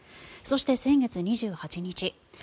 そして、先月２８日